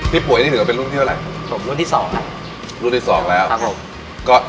ป่วยนี่ถือว่าเป็นรุ่นที่เท่าไหร่ผมรุ่นที่สองครับรุ่นที่สองแล้วครับผมก็